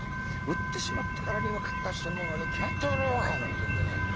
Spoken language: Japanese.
売ってしまったからには買った人のものに決まっておろうがなんてんでね